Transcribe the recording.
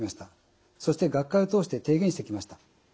そして学会を通して提言してきました。